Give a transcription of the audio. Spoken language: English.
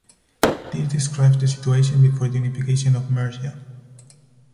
This describes the situation before the unification of Mercia.